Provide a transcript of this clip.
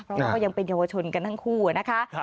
เพราะว่าก็ยังเป็นเยาวชนกันทั้งคู่นะคะ